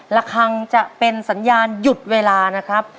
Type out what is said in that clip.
ระคังจะเป็นสัญญาณหยุดเวลานะครับ